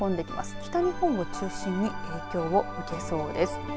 北日本を中心に影響を受けそうです。